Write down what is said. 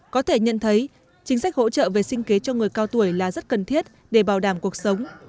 có thể nhận thấy chính sách hỗ trợ về sinh kế cho người cao tuổi là rất cần thiết để bảo đảm cuộc sống